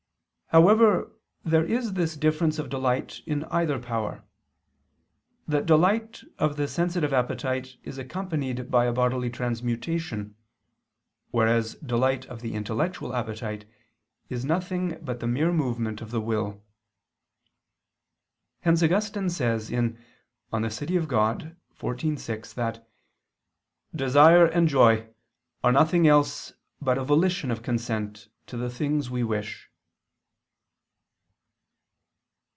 However, there is this difference of delight in either power, that delight of the sensitive appetite is accompanied by a bodily transmutation, whereas delight of the intellectual appetite is nothing but the mere movement of the will. Hence Augustine says (De Civ. Dei xiv, 6) that "desire and joy are nothing else but a volition of consent to the things we wish."